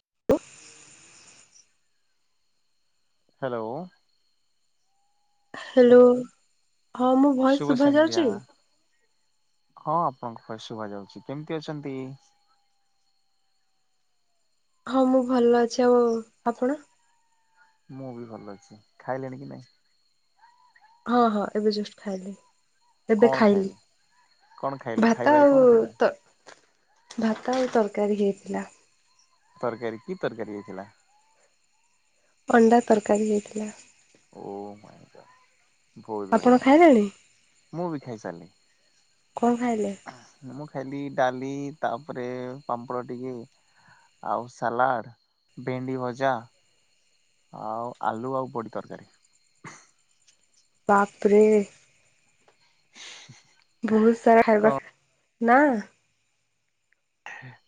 [inaudible] Hello hello ହଁ ମୁଁ voice ଶୁଭ ଶୁଭା ସନ୍ଧ୍ୟା ଯାଉଛି? ହଁ ଆପଣଙ୍କ ଭଏସ ଶୁଭା ଯାଉଛି କେମିତି ଅଛନ୍ତି? ହଁ ମୁଁ ଭଲ ଅଛି ଆଉ ଆପଣ ମୁଁ ବି ଭଲ ଅଛି ଖାଇଲେଣି କି ନାଇଁ ହଁ ହଁ ଏବେ ଜଷ୍ଟ ଖାଇଲି ଏବେ କଣ ଖାଇଲି ଖାଇଲେ? କଣ ଖାଇଲେ ଭାତ ଖାଇବାରେ ଆଉ କଣ ଥିଲା ତ ଭାତ ଆଉ ତରକାରୀ ହେଇଥିଲା। ତରକାରୀ କି ତରକାରୀ ହେଇଥିଲା? ଅଣ୍ଡା ତରକାରୀ ହେଇଥିଲା। ଓ [unintelligible] ଭହୁତ ଆପଣ ବଢିଆ ଖାଇଲେଣି? ମୁଁ ବି ଖାଇସାଇଲି କଣ ଖାଇଲେ? ମୁଁ ଖାଇଲି ଡାଲି ତାପରେ ପାମ୍ପଡ଼ ଟିକେ ଆଉ ସାଲାଡ ଭେଣ୍ଡି ଭଜା ଆଉ ଆଲୁ ଆଉ ବଡି ତରକାରୀ ବାପରେ [inaudible] ବହୁତ ସାରା ଖାଇବା ନା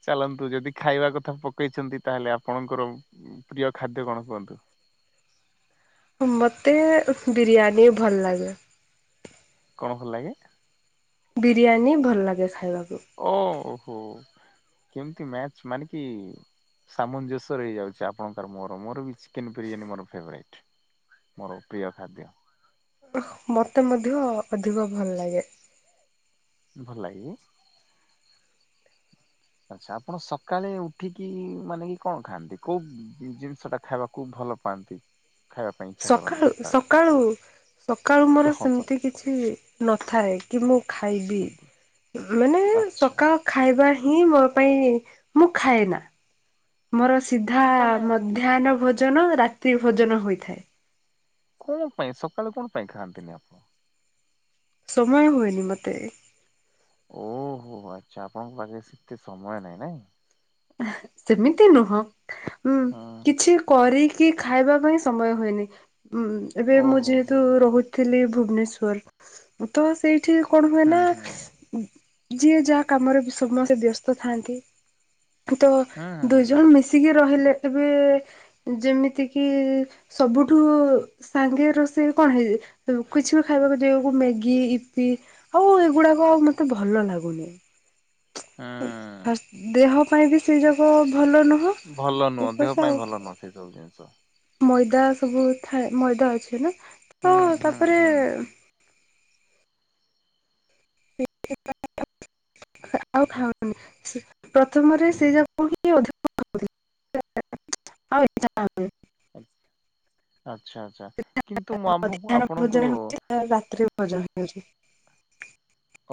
ଚାଲନ୍ତୁ ଯଦି ଖାଇବା କଥା ପକେଇଛନ୍ତି ତାହେଲେ ଆପଣଙ୍କର ପ୍ରିୟ ଖାଦ୍ୟ କଣ କୁହ [inaudible] ମତେ ବିରିୟାନୀ ଭଲ ଲାଗେ। କଣ ଭଲ ଲାଗେ? ବିରିୟାନୀ ଭଲ ଲାଗେ ଖାଇବାକୁ। ଓ ହୋ କେମିତି ମ୍ୟାଚ ମାନେ କି ସାମଞ୍ଜସ୍ୟର ହେଇଯାଉଛି ଆପଣଙ୍କ ମୋର ମୋର ବି ଚିକେନ ବିରିୟାନୀ ମୋର ଫେଭରାଇଟ୍ ମୋର ପ୍ରିୟ ଖାଦ୍ୟ। ମତେ ମଧ୍ୟ ଅଧିକ ଭଲ ଲାଗେ ଭଲ ଲାଗେ ଆଛା ଆପଣ ସକାଳେ ଉଠିକି ମାନେ କି କଣ ଖାଆନ୍ତି କୋଉ ଜିନିଷ ଟା ଖାଇବାକୁ ଭ ଭଲ ପାଆନ୍ତି ଖାଇବା ପାଇଁ ଇଚ୍ଛା କରନ୍ତି ସକାଳୁ ସକାଳେ ସକାଳୁ ସକାଳୁ ମୋର ହଁ ସ ସେମିତି କିଛି ନଥାଏ କି ମୁଁ ଖାଇବି ସେମିତି ମାନେ ଆଚ୍ଛା ସକାଳ ଖାଇବା ହିଁ ମୋ ପାଇଁ ମୁଁ ଖାଏ ନା ମୋର ସିଧା ମାନେ ମଧ୍ୟାହ୍ନ ଭୋଜନ ରାତ୍ରି ଭୋଜନ ହୋଇଥାଏ। କଣ ପାଇଁ ସକାଳେ କଣ ପାଇଁ ଖାଆନ୍ତିନି ଆପଣ ସମୟ ହୁଏନି ମତେ। ଓହୋ ଆଚ୍ଛା ଆପଣଙ୍କ ପାଖରେ ସେତେ ସମୟ ନାଇଁ। ନାଇଁ? ସେମିତି ନୁହଁ ଉଁ ହଁ କିଛି କରି କି ଖାଇବା ପାଇଁ ସମୟ ହୁଏନି। ଉଁ ଏବେ ମୁଁ ଓହୋ ହୋ ଯେହେତୁ ହୋ ରହୁଥିଲି ଭୁବନେଶ୍ ଶ୍ୱର୍ ତ ସେଇଠି କଣ ହୁଏ ହୁଁ ନା ହୁଁ ଯିଏ ଯା କାମରେ ସମସ୍ତେ ବ୍ୟସ୍ତ ଥାନ୍ତି। ତ ହୁଁ ଦୁଇ ହୁଁ ଜଣ ମିଶିକି ରହିଲେ ଏବେ ଯେମିତି କିି ସବୁଠୁ ସାଙ୍ଗେ ରୋଷେଇ କଣ ହେଇ କିଛି ବି ଖାଇବାକୁ ଦିଅକୁ ମ୍ୟାଗି ଇପି ଆଉ ଏଗୁଡାକ ଆଉ ମତେ ଭଲ ଲାଗ ଲାଗୁନି। ହୁଁ। ଫାସ୍ ଦେହ ପାଇଁ ବି ସେଇ ଯାକ ଭଲ ନୁହଁ। ଭଲ ନୁହଁ ଦେହ ଉପାସ ପାଇଁ ଆଉ ଭଲ ନୁହଁ ସେ ସବୁ ଜିନିଷ। ମଇଦା ସବୁ ଥାଏ ମଇଦା ଅଛି ନା ହୁଁ ତ ହୁଁ ତାପରେ ହୁଁ ହୁଁ [inaudible] ଆଉ ଖାଉନି। ପ୍ରଥମରେ ସେ ଯାକ ହିଁ ଅଧିକ। [inaudible] ଆଉ ଇଚ୍ଛା ହ [unintelligible] ଆଛା ଆଛା କିନ୍ତୁ ମୁଁ ଆଉ ଭୋଜନ ଆମ୍ଆପଣଙ୍କୁ ହଉଛି [inaudible]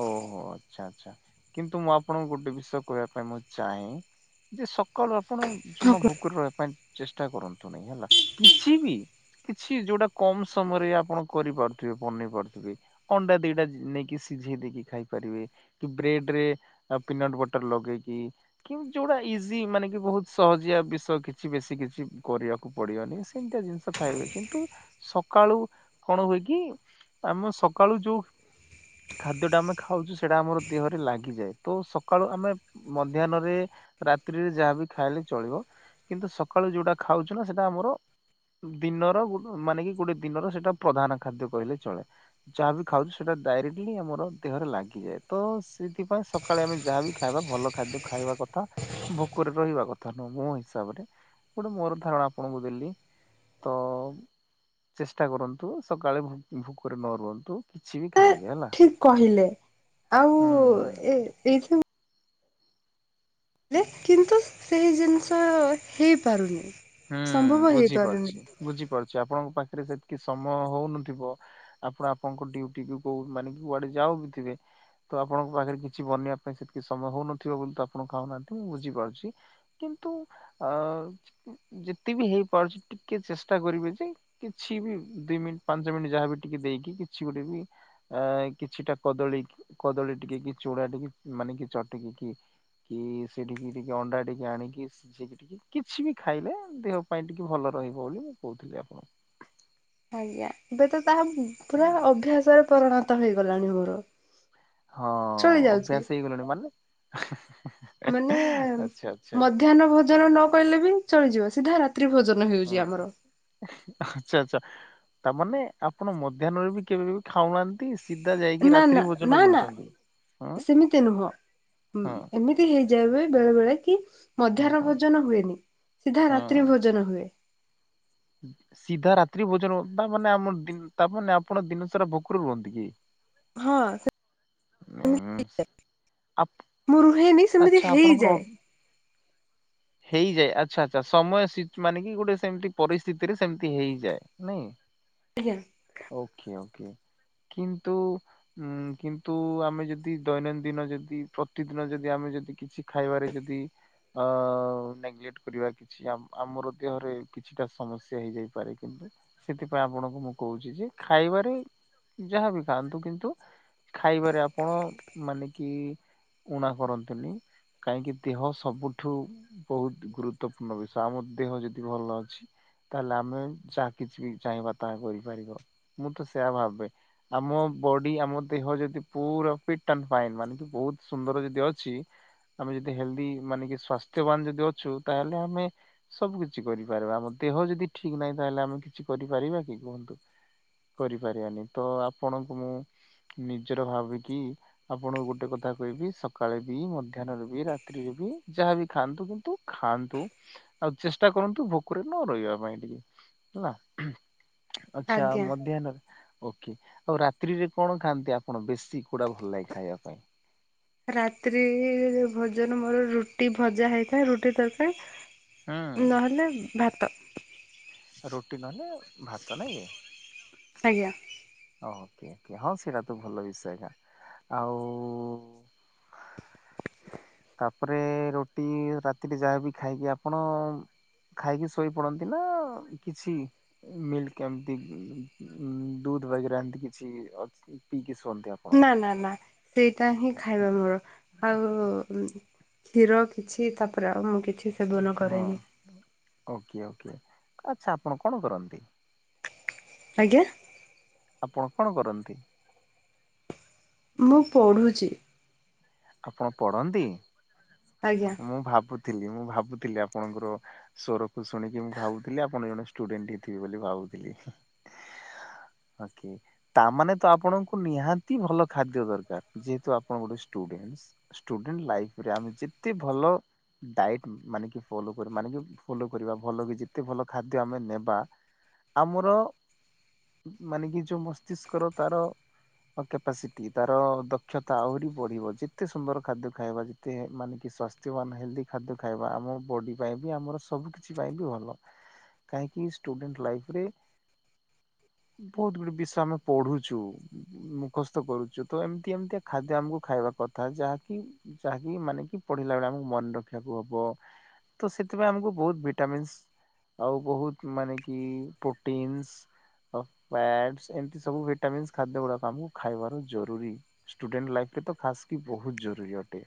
ଓହୋ ଆଚ୍ଛା। କିନ୍ତୁ ମୁଁ ଆପଣଙ୍କୁ ଗୋଟେ ବିଷୟ କହିବା ପାଇଁ ମୁଁ ଚାହେଁ ଯେ ସବ୍ କନ ଆପଣ ଜମା ଠିକ ଭୋକରେ ରହିବା ପାଇଁ ଚେଷ୍ଟା କରନ୍ତୁ ନାହିଁ ହେଲା। କିଛି ବି କିଛି ଯୋଉଟା କମ ସମୟରେ ଆପଣ କରିପାରୁଥିବେ ବନେଇ ପାରୁଥିବେ ଅଣ୍ଡା ଦିଟା ନେଇକି ସି ସିଝେଇ ଦେଇକି ଖାଇ ପାରିବେ, କି ବ୍ରେଡ ରେ ପିନଟ ବଟର ଲଗେଇକି କିନ୍ ଯୋଉଟା ଇ ଇଜି ମାନେ କି ବହୁତ ସହଜିଆ ବିଷୟ କିଛି ବେଶୀ କିଛି କରିବାକୁ ପଡିବନି ସେମିତିଆ ଜିନିଷ ଖାଇବେ କିନ୍ତୁ ସକାଳୁ କଣ ହୁଏ କି ଆମ ସକାଳୁ ଯୋଉ ଖାଦ୍ୟ ଟା ଆମେ ଖାଉଛୁ ସେଇଟା ଆମର ଦେହରେ ଲାଗିଯାଏ ତ ସକାଳୁ ଆମେ ମଧ୍ୟାହ୍ନ ରେ ରାତ୍ରିରେ ଯାହାବି ଖାଇଲେ ଚଳିବ। କିନ୍ତୁ ସକାଳୁ ଯୋଉଟା ଖାଉଛୁ ନା ସେଟା ଆମର ଦିନର ମାନେ କି ଗୋଟେ ଦିନର ସେଇଟା ପ୍ରଧାନ ଖାଦ୍ୟ କହିଲେ ଚଳେ। ଯାହାବି ଖାଉଛୁ ସେଇଟା ଡାଇରେକ୍ଟ ଆମର ଦେହରେ ଲାଗିଯାଏ। ତ ସେଥିପାଇଁ ସକାଳେ ଆମେ ଯାହାବି ଖାଇବା ଭଲ ଖାଦ୍ୟ ଖାଇବା କଥା। ଭୋକରେ ରହିବା କଥା ନୁହଁ ମୋ ହିସାବରେ ଗୋଟେ ମୋର ଧାରଣା ଆପଣଙ୍କୁ ଦେଲି। ତ ଚେଷ୍ଟା କରନ୍ତୁ ସକାଳେ ଭୋକରେ ନ ରୁହନ୍ତୁ କିଛି ବି ଖାଇ ଠିକ କହିଲେ। ଆଉ ହୁଁ। ଏ ଏଇ ସବ୍ କିନ୍ତୁ ସେହି ଜିନିଷ ହେଇପାରୁନି। ହୁଁ ସମ୍ଭବ ହେଇପାରୁନି। ବୁଝିପାରୁଛି ବୁଝିପାରୁଛି ଆପଣଙ୍କ ପାଖ ରେ ସେତିକି ସମୟ ହଉନଥିବ ଆପଣ ଆପଣଙ୍କ ଡ୍ୟୁଟି ବି କଉ ମାନେ କି କୁଆଡେ ଯାଉ ବି ଥିବେ। ତ ଆପଣଙ୍କ ପାଖରେ କିଛି ବନେଇବା ପାଇଁ ସେତିକି ସମୟ ହଉନଥିବ ବୋଲି ତ ଆପଣଙ୍କୁ ଖାଉନାହାନ୍ତି ମୁଁ ବୁଝିପାରୁଛି। କିନ୍ତ ନ୍ତୁ ଆଉ ଯେତେ ବି ହେଇପାରୁଛି ଟିକେ ଚେଷ୍ଟା କରିବେ ଯେ କିଛି ବି ଦିଇ ମିନିଟ୍ ପାଞ୍ଚ ମିନିଟ୍ ଯାହାବି ଟିକେ ଦେ ଇ କି କିଛି ଗୋଟେ ବି ଆ କିଛିଟା କଦଳୀ କଦଳୀ ଟିକେ କି ଚୂଡ଼ା ଟିକେ ମାନେ କି ଚଟିକି କି କି ସେଠିକି ଟିକେ ଅଣ୍ଡା ଟିକେ ଆଣିକି କିଛି ବି ଖାଇଲେ ଦେହ ପାଇଁ ଟିକେ ଭଲ ରହିବ ବୋଲି ମୁଁ କହୁଥିଲି ଆପଣଙ୍କୁ। ଆଜ୍ଞା ଏବେ ତ ତାହା ପୁରା ହୁଁ। ଅଭ୍ୟାସରେ ପରିଣତ ହେଇଗଲାଣି ମୋର। ହଁ ଚଳି ଯାଉଛି। ଅଭ୍ୟାସ ହେଇଗଲାଣି ମାନେ। ମାନେ ଆଚ୍ଛା ଆଚ୍ଛା। ମଧ୍ୟାହ୍ନ ଭୋଜନ ନ କଇଲେ ବି ଚଳିଯିବ ସିଧା ରା ତ୍ରି ଭୋଜନ ହେଉଛି ହୁଁ ଆମର। ଆଚ୍ଛା ଆଚ୍ଛା ତାମାନେ ଆପଣ ମଧ୍ୟାହ୍ନରେ ବି କେବେବି ଖାଉନାହାନ୍ତି। ସିଧା ଯାଇକି ନା ନା ରାତ୍ରି ଭୋଜନ ନା ନା କରୁଛନ୍ତି। ହଁ ସେମିତି ନୁହଁ। ହୁଁ ହଁ ଏମିତି ହେଇଯା ବେଳେ ବେଳେ କି ହଁ ମଧ୍ୟାହ୍ନ ହଁ ଭୋଜନ ହୁଏନି। ସିଧା ହଁ। ରାତ୍ରି ଭୋଜନ ହୁଏ। ସିଧା ରାତ୍ରି ଭୋଜନ ତା ମାନେ ଆମ ତା ମାନ ଆପଣ ଦିନସାରା ଭୋକର ରୁହନ୍ତି କି? ହଁ ତି ମୁ ରହେନି ଆଚଛା ଆପଣଙ୍କର ହେଇଯାଏ ଆଚ୍ଛା ଆଚଛା ସମୟ ମାନେ କି ଗୋଟେ ସେମିତି ପରିସ୍ଥିତି ରେ ସେମିତି ହେଇଯାଏ ନାଇଁ। ଆଜ୍ଞା ଓକେ ଓକେ। କିନ୍ତୁ ଉ କିନ୍ତୁ ଆମେ ଯଦି ଦୈନନ୍ଦିନ ଯଦି ପ୍ରତିଦିନ ଯଦି ଆମେ ଯଦି କିଛି ଖାଇବାରେ ଯଦି ଅ ା ଆପଣଙ୍କୁ ମୁଁ କହୁଛି ଯେ ଖାଇବାରେ ଯାହାବି ଖାଆନ୍ତୁ କିନ୍ତୁ ଖାଇବାରେ ଆପଣ ମାନେ କି ଉଊଣା କରନ୍ତୁନି କାହିଁକି ଦେହ ସବୁଠୁ ବହୁତ ଗୁରୁତ୍ୱପୂର୍ଣ୍ଣ ବିଷ ଆମ ଦେହ ଯଦି ଭଲ ଅଛି ତାହେଲେ ଆମେ ଯାହା କିଛି ବି ଚାହିଁବା ତାହା କରିପାରିବା ମୁଁ ତ ସେୟା ଭାବେ ଆମ ବଡି ଆମ ଦେହ ଯଦି ପୁରା ଫିଟ ଆ ଫାଇନ୍ ମାନେ ବନ୍ଦର ଯଦି ଅଛି ଆମେ ଯଦି ହେଲି ମାନେବାନ ଯ ଅଛୁ ତାହେଲେ ଆମେ ସବୁ କିଛି କରିପାରିବା ଆମ ଦେହ ଯଦି ଠିକ ନାହିଁ ତାହେଲେ ଆମେ କିଛି କରିପାରିବା କି କୁହନ୍ତୁ କରିପାରିବାନି ତ ଆପଣଙ୍କୁ ମୁଁ ନିଜର ଭାବିକି ଆପଣଙ୍କୁ ଗୋଟେ କଥା କହିବି ସକାଳେ ବି ମଧ୍ୟାହ୍ନରେ ବି ରାତ୍ରିରେ ବି ଯାହା ବି ଖାଆନ୍ତୁ କିନ୍ତୁ ଖାଆନ୍ତୁ ଆଉ ଚେଷ୍ଟା କରନ୍ତୁ ଭୋକରେ ନ ରହିବା ପାଇଁ ଟିକେ ହେଲା ଆଛା ଆଜ୍ଞା। ମଧ୍ୟାହ୍ନରେ ଓକେ ଆଉ ରାତ୍ରିରେ କଣ ଖାଆନ୍ତି ଆପଣ ବେଶୀ କୁଡା ଭଲ ଲାଗେ ଖାଇବା ପାଇଁ ରାତ୍ରି ଭୋଜନ ମୋର ରୁଟି ଭଜା ହେଇଥାଏ ରୁଟି ତରକାରୀ ହୁଁ ନହଲେ ଭାତ ରୁଟି ନହେଲେ ଭାତ ନାଇଁ ଆଜ୍ଞା କି ହ ହଁ ସେଟା ତୁ ଭଲ ବିଷୟ ଏକା ଆଉ ତାପରେ ରୁଟି ରାତିରେ ଯାହାବି ଖାଇକି ଆପଣ ଖାଇକି ଶୋଇ ପଡନ୍ତି ନା କିଛି ମିଲ୍କ ଏମିତି ଦୁଧ ବେରା ଏମତି କିଛି ପିକି ନା ନା ନା ସେଇଟା ହିଁ ଖାଇବା ମୋର ଆଉ ହୀରୋ କିଛି ତାପରେ ଆଉ ମୁଁ କିଛି ସେବନ ହଁ କରେନି ଓକେ ଓକେ ଆଚ୍ଛା ଆପଣ କଣ କରନ୍ତି ଆଜ୍ଞା ଆପଣ କଣ କରନ୍ତି ମୁଁ ପଢ଼ୁଛି ଆପଣ ପଢନ୍ତି ଆଜ୍ଞା ମୁଁ ଭାବୁ ଥିଲି ମୁଁ ଭାବୁଥିଲି ଆପଣଙ୍କର ସଵରକୁ ଶୁଣିକି ମୁଁ ଭାବୁଥିଲି ଆପଣ ଜଣେ ଷ୍ଟୁଡେଣ୍ଟ ହେଇଥିବେ ବୋଲି ଭାବୁ ବି ଓକ ତାମାନେେ ତ ଆପଣଙ୍କୁ ନିହାତି ଭଲ ଖାଦ୍ୟ ଦରକାର ଯେହେତୁ ଆପଣ ଗୋଟେ ଟେଣ୍ଟ ଲାଇରେ ଆମେ ଯେତେ ଭଲ ଡାଟ ମାନେ କି ଫଲୋ ମାନେ କି ଫଲୋ କରିବା ଭଲ କି ଯେତେ ଭଲ ଖାଦ୍ୟ ଆମେ ନେବା ଆମର ମାନେ କି ଯୋଉ ମସ୍ତିଷ୍କର ତାର କପାସିଟି ତାର ଦକ୍ଷତା ଆହୁରି ବଢ଼ିବ ଯେତେ ସୁନ୍ଦର ଖାଦ୍ୟ ଖାଇବା ଯେତେ ମାନେ କି ସ୍ୱାସ୍ଥ୍ୟବାନ ହେଲ୍ଦି ଖାଦ୍ୟ ଖାଇବା ଆମ ବଡ଼ି ପାଇଁ ଆମର ସବୁ କିଛି ପାଇଁ ବି ଭଲ କାହିଁକି ୁଡେଣ୍ଟ ଲାଇରେ ହୁଁ [inaudible] ବହୁତ ଗୁଡେ ବିଷୟ ଆମେ ପଢୁଛୁ ମୁଖସ୍ତ କରୁଛୁ ତ ଏମିତି ଏମିତିଆ ଖାଦ୍ୟ ଆମକୁ ଖାଇବା କଥା ଯାହାକି ଯାହାକି ମାନେ କି ପଢ଼ିଲା ବେଳେ ଆମକୁ ମନେ ରଖିବାକୁ ହେବ ତ ସେଥିପାଇଁ ଆମକୁ ବହୁତ ଭିଟାମିନ୍ସ ଆଉ ବହୁତ ମାନେ କି ପ୍ରୋଟିନ୍ସ ଏମତି ସବୁ ଭିଟାମିନ୍ ଖାଦ୍ୟ ଗୁଡା ଆମକୁ ଖାଇବାର ଜରୁରୀ ସ୍ଟୁଡେଣ୍ଟସ ଲାଇଫ କେତେ ଖାସ୍ କି ବହୁତ ଜରୁରୀ ଅଟେ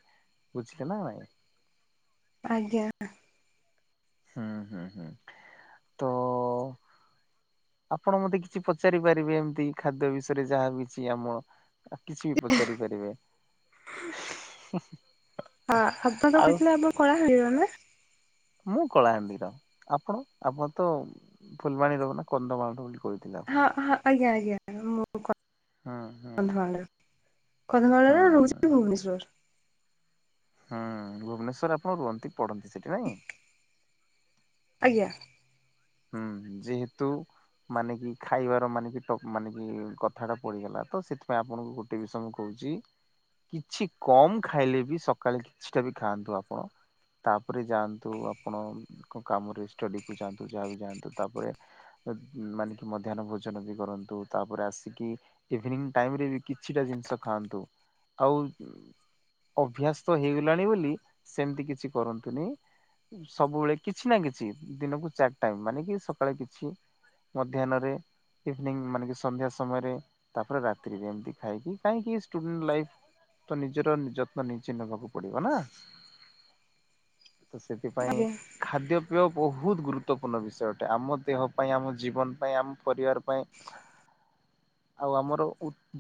ବୁଝିଲେ ନା ନାଇଁ ଆଜ୍ଞା ହୁଁ ହୁଁ ହୁଁ ତ ଆପଣ ମତେ କିଛି ପଚାରି ପାରିବେ ଏମିତି ଖାଦ୍ୟ ବିଷୟରେ ଯାହା ବିକିଛି ଆମ କିଛି ବି ପଚାର କରିପାରିବେ ହଁ ଆପଣ କହିଥିଲେ ଆମ କଳାହାଣ୍ଡିର ନା ମୁଁ କଳାହାଣ୍ଡିର ଆପଣ ଆପଣ ତ ଫୁଲବାଣୀ ଦବ ନା କନ୍ଧମାଳ ର ବୋଲି କହିଥିଲେ ଆପଣ। ହଁ ହଁ ଆଜ୍ଞା ଆଜ୍ଞା ମୁଁ ହୁଁ ହୁଁ କଥା ହୁଁ [unintelligible] ହୁଁ ରହୁଛି ଭୁବନେଶ୍ୱଵର। ହୁଁ ଭୁବନେଶ୍ଵର ଆପଣ ରୁହନ୍ତି ପଢନ୍ତି ସେଠି ନାଇଁ। ଆଜ୍ଞା। ହୁଁ ଯେହେତୁ। ମାନେ କି ଖାଇବାର ମାନେ କି ମାନେ କି କଥା ଟା ପଡିଗଲା ତ ସେଥିପାଇଁ ଆପଣଙ୍କୁ ଗୋଟେ ବିଷୟ ମୁଁ କହୁଛି। କିଛି କମ ଖାଇଲେ ବି ସକାଳେ କିଛିଟା ବି ଖାଆନ୍ତୁ ଆପଣ। ତାପରେ ଯାଆନ୍ତୁ ଆପଣ କାମରେ ଷ୍ଟଡି କୁ ଯାଆନ୍ତୁ। ସେ ଯା ବି ଯାଆନ୍ତୁ ତାପରେ ମାନେ କି ମଧ୍ୟାହନ ଭୋଜନ ବି କରନ୍ତୁ ତାପରେ ଆସିକି ଇଭିନିଂ ଟାଇମରେ ବି କିଛିଟା ଜିନିଷ ଖାଆନ୍ତୁ ଆଉ। ଅଭ୍ୟାସ ତ ହେଇଗଲାଣି ବୋଲି ସେମିତି କିଛି କରନ୍ତୁନି। ସବୁବେଳେ କିଛି ନା କିଛି ଦିନକୁ ଚାରି ଟାଇମ୍ ମାନେ କି ସକାଳେ କିଛି। ମଧ୍ୟାହ୍ନରେ ଇଭିନି ମାନେ ସନ୍ଧ୍ୟା ସମୟରେ ତାପରେ ରାତିିରେ ଏମତି ଖାଇକି କାହିଁକି ସ୍ଟୁଡେଣ୍ଟସ ଲାଇଫ ତ ନିଜର ଯତ୍ନ ନିଜେ ନେବାକୁ ପଡିବ ନା ତ ସେଥିପାଇଁ ଆଜ୍ଞା ଖାଦ୍ୟ ପେୟ ବହୁତ ଗୁରୁତ୍ୱ ଗୁରୁତ୍ବପୂର୍ଣ୍ଣ ବିଷୟ ଅଟେ ଆମ ଦେହ ପାଇଁ ଆମ ଜୀବନ ପାଇଁ ଆମ ପରିବାର ପାଇଁ। ଆଉ ଆମର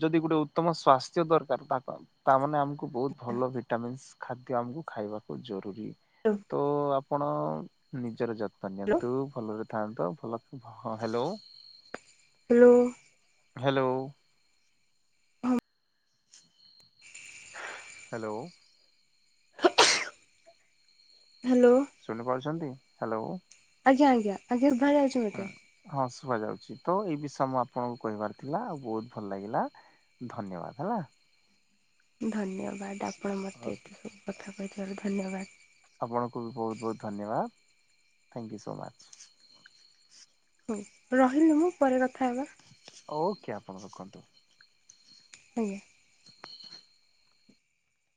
ଯଦି ଗୋଟେ ଉତ୍ତମ ସ୍ଵାସ୍ଥ୍ୟ ଦରକାର ତା ତା ମାନେ ଆମକୁ କୁ ବହୁତ ଭଲ ଭିଟାମିନ୍ସ ଖାଦ୍ୟ ଆମକୁ ଖାଇବାକୁ ଜରୁରୀ। ହଁ ତ ଆପଣ ନିଜର ଯତ୍ନ ହ୍ୟାଲୋ ନିଅନ୍ତୁ। ତୁ ଭଲରେ ଥାନ୍ତୁ ହଁ ହାଲୋ। Hello hello. ହଁ ହ୍ୟାଲୋ ହ୍ୟାଲୋ ଶୁଣିପାରୁଛନ୍ତି ହାଲୋ। ଆଜ୍ଞା ଆଜ୍ଞା ଆଜ୍ଞା ବାହାର ଯାଉଛିୁ ମୋତେ ଶୁଣା ଯାଉଛି ତ ଏଇ ବିଷୟ ମୁଁ ଆପଣଙ୍କୁ କହିବାର ଥିଲା ଆଉ ବହୁତ ଭଲ ଲାଗିଲା। ଧନ୍ୟବାଦ ହେଲା। ଧନ୍ୟବାଦ ଆପଣ ମୋତେ ଏତେ ସବୁ କଥା କହିଥିବାର ଧନ୍ୟବାଦ। ଆପଣଙ୍କୁ ବି ବହୁତ ବହୁତ ଧନ୍ୟବାଦ ଥ୍ୟାଙ୍କୟୁ ସୋ ମଚ୍। ହ ରହିଲି ମୁଁ ପରେ କଥା ହେବା ଓକେ ଆପଣ ରଖନ୍ତୁ। ଆଜ୍ଞା [inaudible]